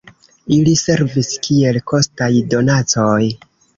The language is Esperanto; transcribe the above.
Ili servis kiel kostaj donacoj.